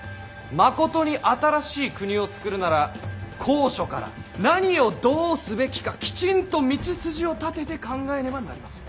まことに新しい国を作るなら高所から何をどうすべきかきちんと道筋を立てて考えねばなりません。